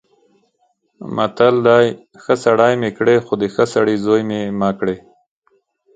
متل دی: ښه سړی مې کړې خو د ښه سړي زوی مې مه کړې.